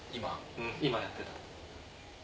うん今やってた。